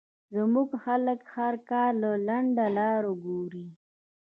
زمونږ خلک هر کار له لنډه لار ګوري